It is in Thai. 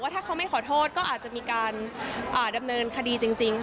ถ้าเขาไม่ขอโทษก็อาจจะมีการดำเนินคดีจริงค่ะ